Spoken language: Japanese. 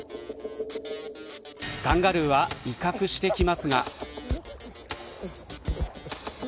カンガルーは威嚇してきますが。